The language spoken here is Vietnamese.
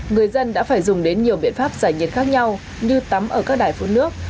người dân đã phải dùng đến nhiều biện pháp giải nhiệt khác nhau như tắm ở các đài phun nước